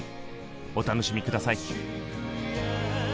お楽しみ下さい。